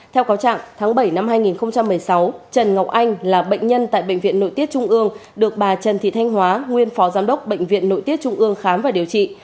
theo cáo trạng tháng bảy năm hai nghìn một mươi sáu trần ngọc anh là bệnh nhân tại bệnh viện nội tiết trung ương được bà trần thị thanh hóa nguyên phó giám đốc bệnh viện nội tiết trung ương khám và điều trị